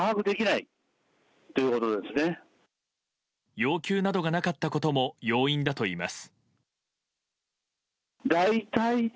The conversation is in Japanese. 要求などがなかったことも要因だといいます。